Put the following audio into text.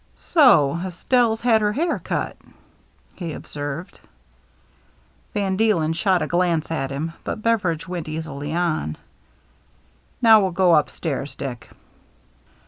"So Estelle's had her hair cut," he observed. Van Dcclcn shot a glance at him, but Bever idge went easily on. " Now we'll go upstairs, Dick."